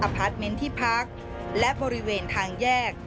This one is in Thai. พาร์ทเมนต์ที่พักและบริเวณทางแยก